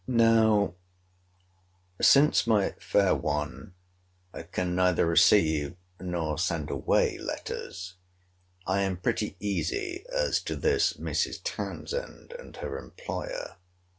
Now, since my fair one can neither receive, nor send away letters, I am pretty easy as to this Mrs. Townsend and her employer.